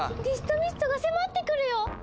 ディストミストが迫ってくるよ！